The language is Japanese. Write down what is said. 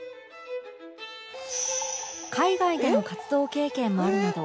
海外での活動経験もあるなど